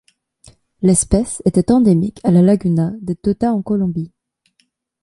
L'espèce était endémique à la Laguna de Tota en Colombie.